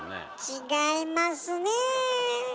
違いますね。